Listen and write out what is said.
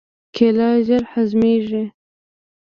کېله ژر هضمېږي.